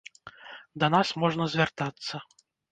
Да нас можна звяртацца.